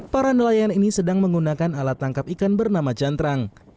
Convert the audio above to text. para nelayan ini sedang menggunakan alat tangkap ikan bernama cantrang